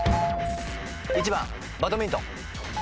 １番バドミントン。